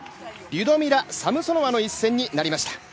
リュドミラ・サムソノワの一戦となりました。